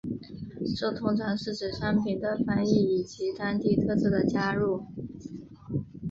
这通常是指产品的翻译以及当地特色的加入。